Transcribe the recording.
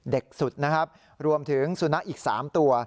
สุดนะครับรวมถึงสุนัขอีก๓ตัว